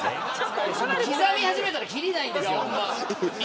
刻み始めたらきりがないですよ。